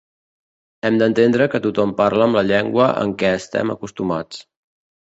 Hem d’entendre que tothom parla amb la llengua en què estem acostumats.